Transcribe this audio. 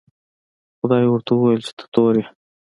خدای ورته وویل چې ته تور یې.